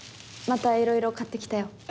またいろいろ買ってきたよ。